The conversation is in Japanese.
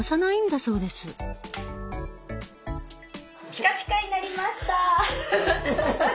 ピカピカになりました！